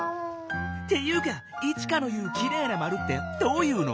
っていうかイチカの言う「きれいなまる」ってどういうの？